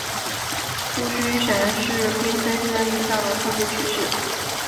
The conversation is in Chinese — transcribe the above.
戊戌选试并非真正意义的科举取士。